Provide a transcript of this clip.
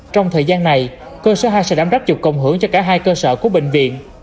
trong thời gian này cơ sở hai sẽ đám rách chụp công hưởng cho cả hai cơ sở của bệnh viện